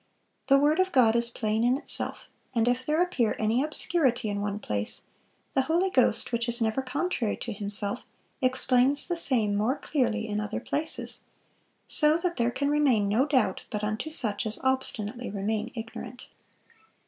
The word of God is plain in itself; and if there appear any obscurity in one place, the Holy Ghost, which is never contrary to Himself, explains the same more clearly in other places, so that there can remain no doubt but unto such as obstinately remain ignorant."